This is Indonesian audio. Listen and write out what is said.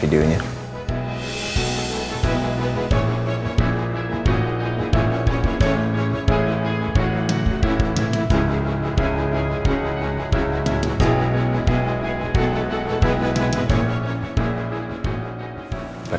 ketika disini aluyoung vomit